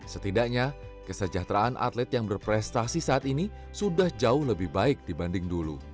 setidaknya kesejahteraan atlet yang berprestasi saat ini sudah jauh lebih baik dibanding dulu